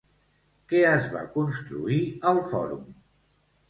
Què es va construir al fòrum?